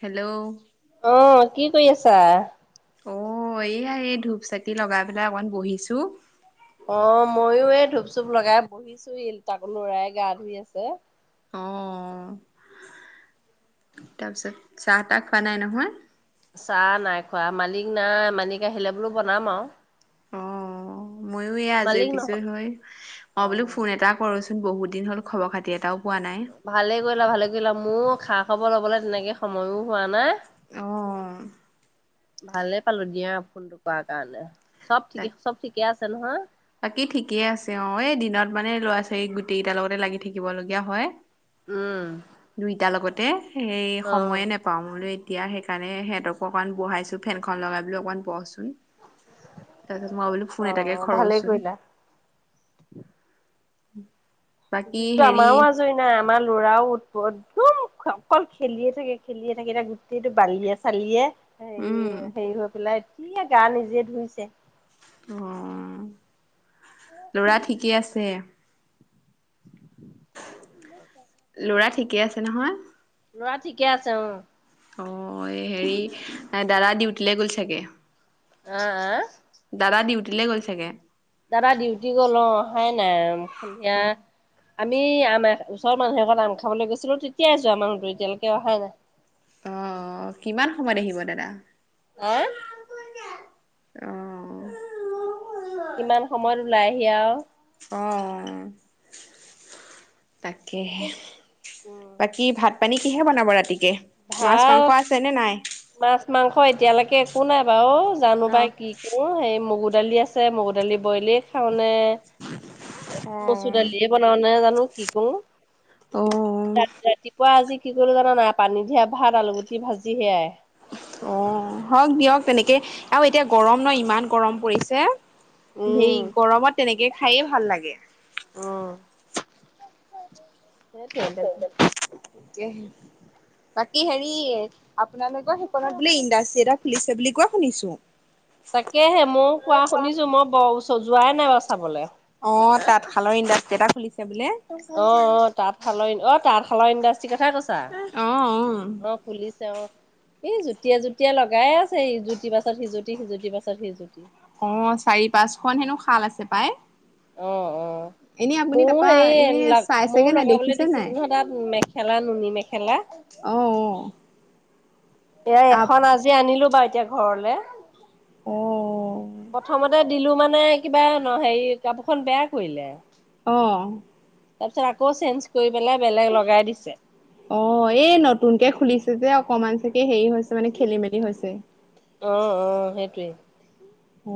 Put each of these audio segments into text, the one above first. Hello. অ', কি কৰি আছা? অ এইয়া এই ধূপ চাকি লগাই পেলাই অকণ বহিছো। অ মইো এই ধূপ চুপ লগাই বহিছো ইল তাকো লৰাই গা ধুই আছে। অ তাৰপিছত চাহ তাহ খোৱা নাই নহয়? চাহ নাই খোৱা মালিক নাই মালিক আহিলে বোলো বনাম আৰু অ। মইো এই আজৰি মালিক পিজৰি নহয় হৈ মই বোলো অ', ফোন এটা কৰছোন বহু দিন হ'ল খবৰ খাতি এটাও পোৱা নাই ভালে কৰিলা ভালে? কৰিলামোৰ খা খবৰ ল'বলৈ তেনেকৈ সময়ো হোৱা নাই আহ। ভালে পালো দিয়া ফোনটো কৰা কাৰণে। চব ঠিকে তাক চব ঠিকে আছে নহয় বাকী ঠিকেই আছে অ এই দিনত মানে ল'ৰা ছোৱালী গোটেই কেইটাৰ লগতে লাগি থাকিব লগীয়া হয় উম। তে। এইেই অ', সময়ে নেপাওঁ মোলৈ এতিয়া সেইকাৰণে সিহঁতকো অকণ বহাইছো। ফেনখন লগাই বোলো অকমান বহচোন। তাৰপিছত মই বোলো ফোন এটাকে অ', ভালেই কৰোচোন। কৰিলা। [inaudible] দিনটো হেৰি আমাৰো আজৰি নাই। আমাৰ ল'ৰাও একদম অকল খেলিয়ে থাকে, খেলিয়ে থাকে। এতিয়া গোটেইটো বালিয়ে-চালিয়ে। হে উম হেৰি হৈ পেলাই কি আ গা নিজে ধুইছে। অ। ল'ৰা ঠিকে আছে। লৰা ঠিকে আছে। নহয়। লৰা ঠিকে আছে। অ। অ, এই হেৰি দাদা ডিউটিলৈ গ'ল চাগে। অ, আ? দিলেগৈ চাগে। দাদা ডিউটি গল। অহাই নাই সন্ধিয়া অ আমি আম ওচৰ মানুহ এঘৰত আম খাবলৈ গৈছিলো, তেতিয়াই যোৱা মানুহটো এতিয়ালৈকে অহাই নাই। অ, কিমান সময়ত আহিব দাদা? হয় অ, অ। কিমান সময়ত ওলাই আহি আৰু অ, তাকেহে। উম বাকী ভাত পানী কিহে বনাব ৰাতি। ভাত, মাছ-মাংস এতিয়ালৈকে একো নাই বাৰু। জানো অ পাই কি কৰো সেই মগু দালি আছে। মগু দালি বইলি খাও নে অ মচুৰ দালিয়ে বনাও নে জানো কি কৰোঁ, অ ৰাতিপুৱা আজি কি কলো জানা নে নাই? পানী দিয়া ভাত, আলুগুটি ভাজি সেয়াই। অ হওক দিয়ক, তেনেকে আৰু এতিয়া গৰম ন ইমান গৰম পৰিছে। উম সেই গৰমত তেনেকে খায়ে ভাল লাগে। সেইটো এ দেন একে। বাকী হেৰি, আপোনালোকৰ সেইখনত বোলে ইণ্ডাষ্টি এটা খুলিছে বুলি কোৱা শুনিছো। তাকেহে মইও কোৱা শুনিছো। মই ব ওচ অ তাঁত শালৰ ইণ্ডাষ্টি এটা খুলিছে বোলে অ অ তাঁত শালৰ ই অ তাত শালৰ ইণ্ডাচ টি কথাই কৈছা অ অ অ খুলিছে অ এই জুতিয়ে জুতিয়ে লগাই আছে ইজুতি পাছত সিজুতি সিজুতি পাছত সিজুতি অ চাৰি পাঁচ খন হেনো শাল আছে পাই অ অ এনেই আপুনি বৌ তাৰপা হেই এনে ল ময়ও চাইছেগে নাই লগাবলৈ দেখিছে নাই দিছিলো নহয় তাত মেখেলা নুনী মেখেলা অ অ এ তাপ এখন আজি আনিলো বাইদ এতিয়া ঘৰলে অ প্ৰথমতে দিলো মানে কিবা ন হেৰি কাপোৰখন বেয়া কৰিলে অহ তাৰ পিছত আকৌ চেঞ্জ কৰি পেলাই বেলেগ লগাই দিছে অ এই নতুনকে খুলিছে যে অকমান চাগে হেৰি হৈছে মানে খেলি মেলি হৈছে অ অ সেইটোৱে অ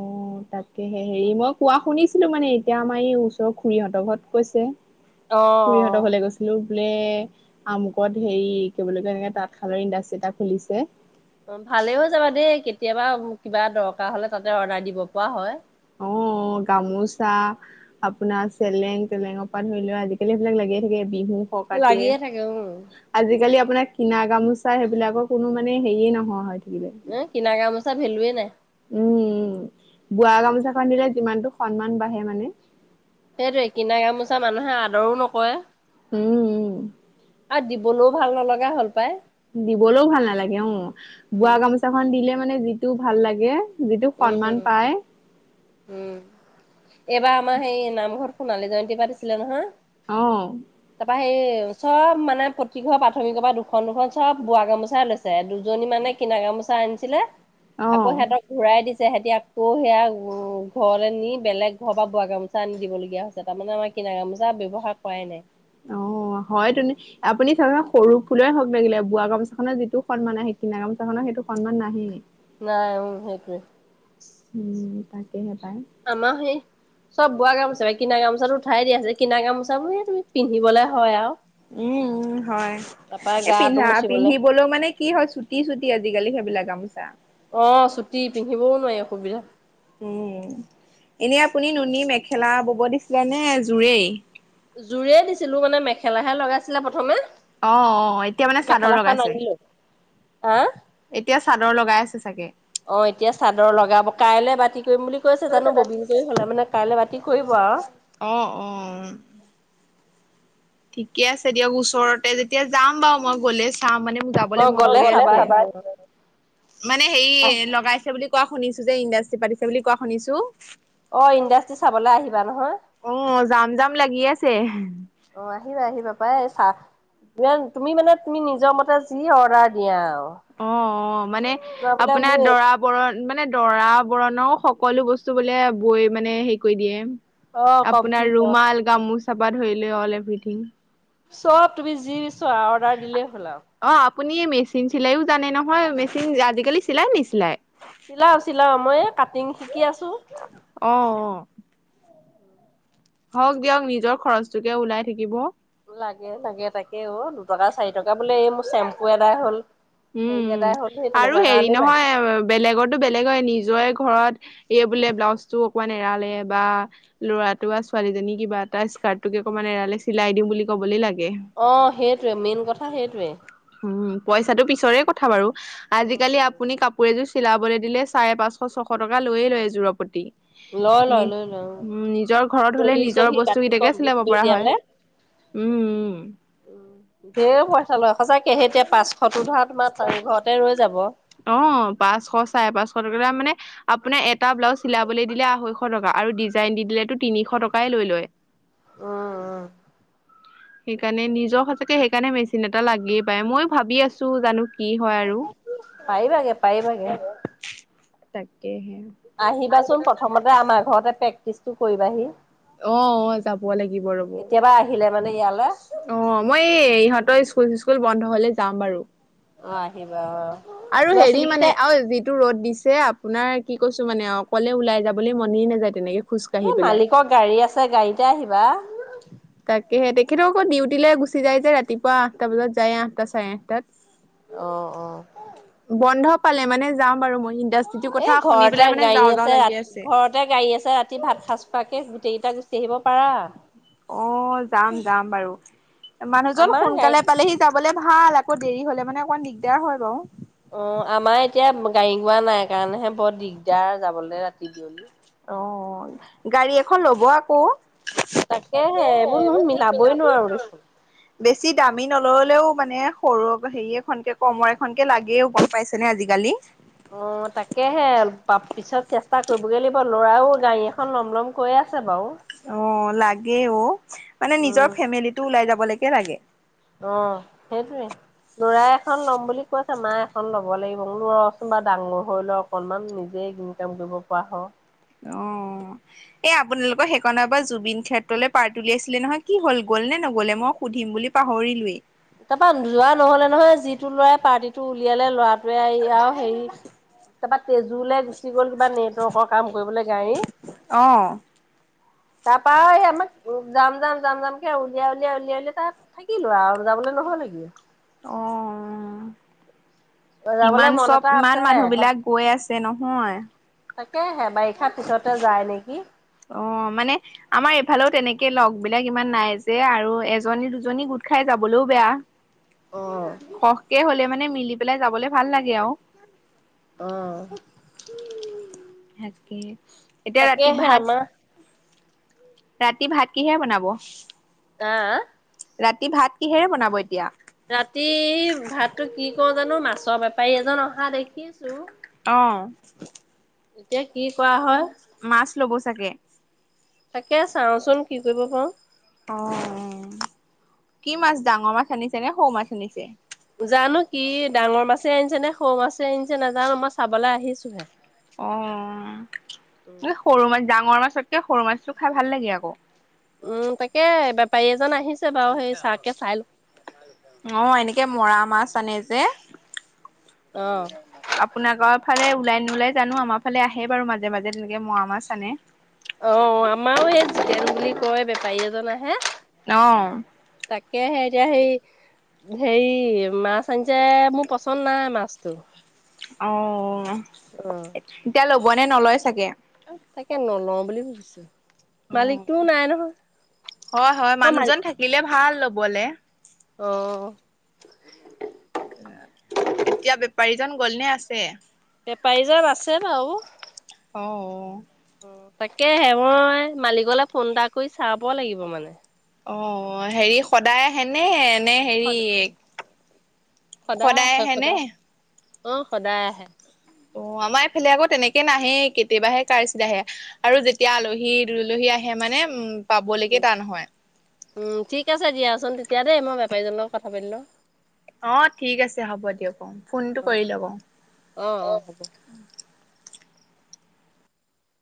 তাকে হেৰি মই কোৱা শুনিছিলো মানে এতিয়া আমাৰ এই ওচৰৰ খুৰীহঁতৰ ঘৰত কৈছে অ', অ'। খুৰীহতৰ ঘৰলে গৈছিলো বুলে আমুকত হেৰি কি বুলি কয় এনেকে তাঁতশালৰ ইণ্ডাষ্ট্ৰি এটা খুলিছে অ ভালেও যাবা দেই কেতিয়াবা কিবা দৰকাৰ হলে তাতে অৰ্ডাৰ দিব পৰা হয় অ গামোচা আপোনাৰ চেলেং তেলেঙৰ পৰা ধৰি লোৱা আজিকালি সেইবিলাক লাগিয়ে থাকে বিহু ফকাতিয়ে লাগিয়ে থাকে উম, আজিকালি আপ আপোনাৰ কিনা গামোচা সেইবিলাকৰ কোনো মানে হেৰিয়ে নোহোৱা হৈ থা এ কিনা গামো চা ভেলোৱে নাই উম উ বোৱা গামোচাখন দিলে যিমানটো সন্মান বাঢ়ে মানে সেইটোয়ে কিনা গামোচা মানুহে আদৰো নকৰে উম উ ব'লেও ভাল নলগা হ'ল পাই দিবলৈও ভাল নালাগে অ বোৱা উম, গামোচাখন দিলে মানে যিটো ভাল লাগে যিটো সন্মান উম, পায় উম। এইবাৰ আমাৰ সেই নামঘৰ সোণালী জয়ন্তী পাতিছিলে নহয় অহ সে চব মানে প্ৰতিঘ প্ৰাথমিকৰ পৰা দুখন দুখন চব বোৱা গামোচাই লৈছে দুজনী মানে কিনা গামোচা আনিছিলে আকৌ অঁ সিহঁতক ঘূৰাই দিছে সিহতি আকৌ সেয়া ঘৰলৈ নি বেলেগ ঘৰ বা বোৱা গামোচা আনি দিবলগীয়া হৈছে তাৰমানে আমাৰ কিনা গামোচা ব ব্যয়ৱহাৰ কৰাই নাই অঁ হয় তুন আপুনি ধ সৰু ফুলৰে হওঁক লাগিলে বোৱা গামোচা খনৰ যিটো সন্মান আহে কিনা গামোচা খনৰ সেইটো সন্মান নাহেই নাই সেইটোৱে উম তাকেহে পাই আমাৰ হেৰি চব বোৱা গামোচা বাাই কিনা গামোচাটো উঠাই দিয়াছে কিনা গামোচাৰে তুমি পিন্ধিবলৈ হয় আৰু উম হয় তাৰপা এই গাটো পিন্ধা মুচিবলে। পিন্ধিবলৈও মানে কি হয় চুটি চুটি আজিকালি সেইবিলাক গামোছা অঁ চুটি পিন্ধিবওঁ নোৱাৰি অসুবিধা উম এনেই আপুনি নুনী মেখেলা বব দিছিলে নে জোৰেই জোৰেয় দিছিলো মানে মেখেলাহে লগাইছিলে প্ৰথমে। অঁ অঁ এতিয়া মানে চাদৰ লগাইছে। হাঁ এতিয়া চাদৰ লগাই আছে চাগে। অঁ এতিয়া চাদৰ লগাব কাইলে বাতি। কৰিম বুলি কৈছে জানো ববিন কৰি হলে মানে কাইলৈ বাতি কৰিব আৰু। অ', অ', ঠিকে আছে দিয়ক ওচৰতে যেতিয়া যাম বাৰু মই গলে। চাম মানে মোৰ অ যাবলৈ মন গ'লে গৈয়ে চাবাহি অ আছে। মানে হেৰি আহ লগাইছে বুলি। কোৱা শুনিছো যে ইণ্ডাষ্ট্ৰি পাতিছে বুলি কোৱা শুনিছো। অঁ ইণ্ডাষ্ট্ৰি চাবলৈ আহিব। অঁ যাম যাম লাগি আছে। পাবাই চা তুমি মানে তুমি নিজৰ মতে যি অৰ্ডাৰ দিয়া আৰু। অঁ অঁ মানে তোমাৰ বোলে আপোনাৰ মোৰ দৰা বৰণ মানে। দৰা বৰণৰ সকলো বস্তু বোলে বৈ মানে হেৰি কৰি দিয়ে। অ আপোনাৰ কমপ্লিট অ ৰুমাল গামোচ। চাবাৰ ধৰিলে অল এভিথিং। চ' তুমি যি। চোৱা অৰ্ডাৰ দিলেই হ'ল আৰু। অ', আপুনি মেচিন চিলায়ো জানে নহয় মেচিন আজিকালি চিলাই নিচিলাই। চিলাওঁ চিলাওঁ মই কাটিং শিকি আছো। অ', হওঁক দিয়ক নিজৰ খৰচটোকে ওলাই থাকিব। লাগে লাগে তাকে অঁ দু। টকা চাৰি টকা বোলে এই মোৰ চেম্পু এটাই হ'ল। হেৰি উম এদাই হ'ল সেই আৰু তেনেকুৱা হেৰি কাৰণেই লাগে নহয় বেলেগতো বেলেগৰে নিজৰে ঘৰত। এই বোলে ব্লাউজতো অকমান এৰালে বা ল'ৰাটো বা ছোৱালীজনী কিবা এটা স্কাৰ্টোকে অকমান এৰালে চিলাই দিম বুলি ক'বলে লাগে। অ সেইটোৱে মেইন কথা সেইটোৱে। উম পইচাটো পিছৰে কথা বাৰু। আজিকালি আপুনি কাপোৰ এযোৰ। চিলাবলৈ দিলে চাৰে পাঁচশ ছশ টকা লৈয়ে লয় এযোৰ পতি। লয় লয় লৈ লয ঘৰত হলে দহি নিজৰ চহি বস্তু গাঠি কেইটাকে কমপ্লিট চিলাব কৰি পৰা হয় দিয়ালে উম উম ধেই পইচা লয় সঁচাকে এতিয়া পাঁচশটো ধৰা তোমাৰ ঘৰতে ৰৈ যাব। অ পাঁচশ চাৰে পাঁচশ টকা ত মানে। আপোনাৰ এটা ব্লাউজ চিলাবলৈ দিলে আঢ়ৈশ টকা। আৰু ডিজাইন দি পেলাইটো, তিনিশ টকাই লৈ লয়। অ, অ। সেইকাৰণে নিজৰ, সঁচাকে সেইকাৰণে মেচিন এটা লাগিয়ে পায়, মইও ভাবি আছো জানো কি হয় আৰু পাই ভাগে, পাই ভাগে। তাকেহে। আহিবাচোন, প্ৰথমতে আমাৰ ঘৰতে প্ৰেক্টিচ কৰিবাহি অ, অ, যাব লাগিব ৰব। কেতিয়াবা আহিলে মানে ইয়ালৈ। অ, মই এই ইহঁতৰ স্কুল, চিছকুল বন্ধ হলে, যাম বাৰু। অ, আহিবা অ, লৰা ছোৱালীকেইটা জিটো ৰ'দ দিছে, আপোনাৰ কি কৈছো মানে অকলে, ওলাই যাবলৈ মনে নাযায় তেনেকে। এ খোজকাঢ়ি পেলাই মালিকৰ গাড়ী আছে, গাড়ীতে আহিবা। তাকেহে, তেখেতও আকৌ ডিউটিলে গুচি যায়, যে ৰাতিপুৱা আঠটা বজাত যায়, আঠটা চাৰে আঠটাত। অ, অ। বন্ধ পালে মানে, যাম আৰু মই ই এ ঘৰতে গাড়ী আছে, ৰাতি ঘৰতে, গাড়ী আছে, ৰাতি ভাত খাজ খুৱাকে গোটেই কেইটা গুচি আহিব পাৰা। অ, যাম, যাম বাৰু। মানুহজন আমাৰ গাড়ী সোনকালে পালেহি, যাব। হলে ভাল, আকৌ দেৰি হলে মানে, অকমান দিগদাৰ হয় বাৰু। অ, আমাৰ এতিয়া গাড়ী গুড়া নাই, কাৰণেহে বৰ দিগদাৰ যাবলৈ ৰাতি বিয়লি। অ, গাড়ী এখন ল'ব, আকৌ। তাকেহে, এইবোৰ নো এই মিলাবই নোৱাৰো দেখোন। বেছি দামী নললেও, মানে সৰু হেৰি এখনকে কমৰ এখনকে, লাগেও গম পাইছেনে আজিকালি। অ, তাকেহে, পিছত চেষ্টা কৰিবগৈ লাগিব, লৰাও গাড়ী এখন ল'ম, ল'ম কৈ আছে। বাৰু। অ, লাগেও মানে, নিজৰ উম। ফেমিলিটো ওলাই যাব লাগে। কেতিয়া লগে। অ, সেইটোৱে লৰাই এখন ল'ম বুলি কৈছে, মা এখন লব লাগিব, লচোন বা ডাঙৰ হৈ লও অকনমান, নিজে ইনকাম কৰিব পৰা হ। অ, এই আপোনালোকৰ সেইকনা পৰা জুবিন ক্ষেত্ৰলৈ পাৰটি উলিয়াইছিলে নহয়, কি হল, গল নে নগলে, মই সুধিম বুলি পাহৰিলোৱেই। তাৰপা যোৱা নহলে নহয়, যিটো লৰাই পাৰ্টিটো উলিয়ালে, ল'ৰাটোৱে আৰু হেৰি তাৰাপা, তেজুেলৈ গুচি গ'ল, কিবা নেটৱৰ্কৰ কাম কৰিবলৈ গাড়ী। অ'। তাৰপা, এই আমাক যাম, যাম, যাম, যামকে উলিয়াই, উলিয়াই, উলিয়াই, উলিয়াই, তাত থাকিলো আৰু। যাবলে নহয় নেকি? অ। যাবলৈ ইমান মন চব, এটা ইমান আছে, মানুহবিলাক, গৈ আছে নহয়। তাকে, হে। অ মানে আমাৰ এইফালেও তেনেকে তাকে লগ বিলাক ইমান নাই যে আৰু এজনী দুজনী গোট খাই যাবলৈও বেয়া। অ', সখকে হ'লে মানে মিল দি পেলাই যাবলৈ আহ তাকে এতিয়া ৰাতি তাকেহে ভাত, আমৰ ৰাতি ভাত কিহে বনাব? আহ ৰাতি ভাত কিহেৰে বনাব এতিয়া ৰাতি ভাততো কি কওঁ জানো মাছৰ বেপাৰী এজন অহা দেখিছো আহ এতিয়া কি কৰা হয়? মাছ ল'ব চাগে তাকে চাওচোন কি কৰিব পাৰো। অ কি মাছ ডাঙৰ মাছ আনিছো নে সৌ মাছ শুনিছে জানো কি ডাঙৰ মাছে আনিছে নে সৌ মাছে আনিছে নাজানো মই চাবলৈ আহিছোহে অ উম এ সৰু মাজ ডাঙৰ মাছতকে সৰু মাছটো খাই ভাল লাগে আকৌ উম তাকে বেপাৰী এজন আহিছে বাৰু সেই চাকে চাই ল অ এনেকে মৰাম মৰা মাছ আনে যে অ আপোনাৰ ঘৰ ফালে ওলাই ন ওলাই জানো আমাৰ ফালে আহে বাৰু মাজে মাজে তেনেকে ম মাছ আাননে অ আমাৰো এইেই জিতেন বুলি কয় বেপাৰী এজন আহে অ', তাকে হে এতিয়া সেই হেৰি মাছ আনিছে মোৰ পচন্দ নাই মাছতটো অ এতিয়া ল'ব হবনে নলয় চাগে তাকে নল'ম বুলি ভাবিছো অঁ মালিকটোও নাই নহয় হয় হয় অ মানুহজন মালিক থাকিলে ভাল বলে অ [inaudible] এতিয়া বেপাৰীজন গলনে আছে বেপাৰীজনৰ আছে বাৰু অঁ অঁ তাকে হে মই মালিকলৈ ফোন এটা কৰি চাব লাগিব মানে অঁ হেৰি সদায় আহে নে মানে হেৰি সদ সদায় আহেনে অঃ সদায় আহে অঁ আমাৰ এইফালে আকৌ তেনেকে কে নাহে কেতিয়াবাহে কাৰচিত আহে আৰু যেতিয়া আলহী দলহী আহে মানে উম পাবলৈকে টান হয় উম ঠিক আছে দিয়াচোন তেতিয়া দেই মই বেপাৰীজনৰ লগত কথা পাতি লওঁ অঁ ঠিক আছে হ'ব দিয়ক অঁ ফোনটো অ কৰি লওঁক অ অ অঁ হ'ব।